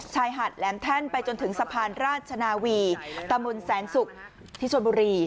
ชายหาดแหลมแท่นไปจนถึงสะพานราชนาวีตำบลแสนศุกร์ที่ชนบุรี